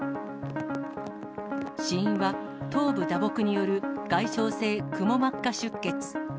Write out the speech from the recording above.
死因は頭部打撲による外傷性くも膜下出血。